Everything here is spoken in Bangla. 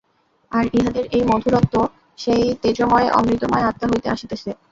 আর ইহাদের এই মধুরত্ব সেই তেজোময় অমৃতময় আত্মা হইতে আসিতেছে।